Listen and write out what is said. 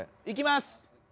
いきます！